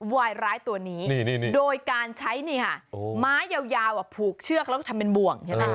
วายร้ายตัวนี้โดยการใช้นี่ค่ะไม้ยาวผูกเชือกแล้วทำเป็นบ่วงใช่ไหม